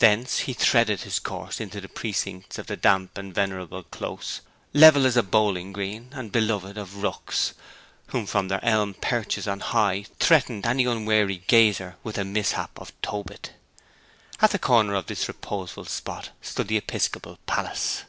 Thence he threaded his course into the precincts of the damp and venerable Close, level as a bowling green, and beloved of rooks, who from their elm perches on high threatened any unwary gazer with the mishap of Tobit. At the corner of this reposeful spot stood the episcopal palace.